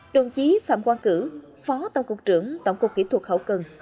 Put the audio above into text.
đồng chí phạm quang cử phó tổng cục trưởng tổng cục kỹ thuật hậu cần